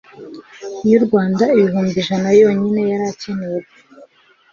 y'u Rwanda ibihumbi ijana yonyine yaracyenewe